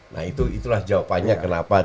nah itulah jawabannya kenapa